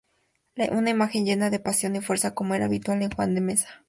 Una imagen llena de pasión y fuerza, como era habitual en Juan de Mesa.